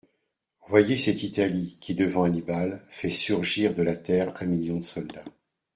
Voyez cette Italie qui, devant Hannibal, fait surgir de la terre un million de soldats.